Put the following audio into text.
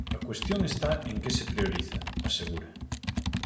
"A cuestión está en que se prioriza", asegura.